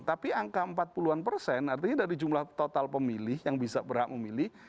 tapi angka empat puluh an persen artinya dari jumlah total pemilih yang bisa berhak memilih